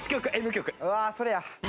うわあそれや。